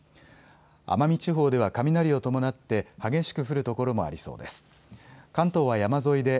奄美地方では雷を伴って激しく降る所もありそうです。